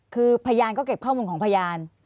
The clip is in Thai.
คือพยานก็เก็บข้อมูลของพยาน